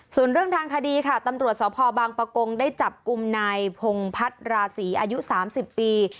ส่วนเรื่องทางคดีค่ะตำรวจสพบางประกงได้จับกลุ่มนายพงพัฒน์ราศีอายุ๓๐ปี